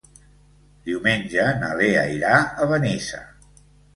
Diumenge na Lea irà a Benissa.